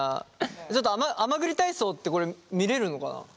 ちょっと甘栗体操ってこれ見れるのかな？